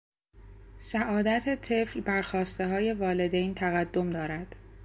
سعادت طفل بر خواستههای والدین تقدم دارد.